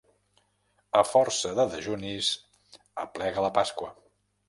A força de dejunis aplega la Pasqua.